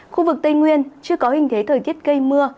khu vực tây nguyên chưa có hình thế thời tiết gây mưa